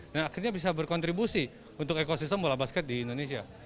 dan akhirnya bisa berkontribusi untuk ekosistem bola basket di indonesia